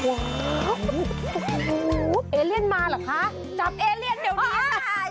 โอ้โหเอเลียนมาเหรอคะจับเอเลียนเดี๋ยวนี้